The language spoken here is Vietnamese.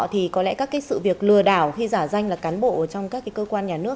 thì có lẽ các cái sự việc lừa đảo khi giả danh là cán bộ trong các cơ quan nhà nước